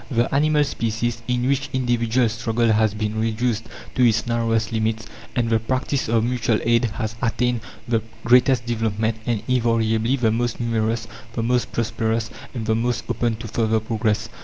The animal species, in which individual struggle has been reduced to its narrowest limits, and the practice of mutual aid has attained the greatest development, are invariably the most numerous, the most prosperous, and the most open to further progress.